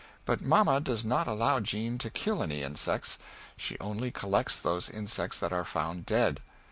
But mamma does not allow Jean to kill any insects she only collects those insects that are found dead.